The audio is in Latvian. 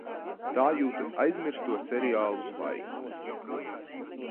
Tā jūtas aizmirsto seriālu zvaigznes.